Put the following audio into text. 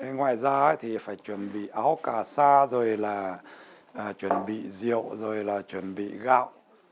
ngoài ra thì phải chuẩn bị áo cà sa rồi là chuẩn bị rượu rồi là chuẩn bị gạo